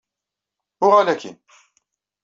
Uɣal akk-in!